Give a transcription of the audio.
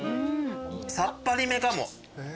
さっぱりめかも。